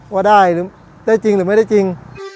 ว่าได้หรือได้จริงหรือไม่ได้จริง